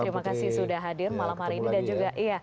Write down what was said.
terima kasih sudah hadir malam hari ini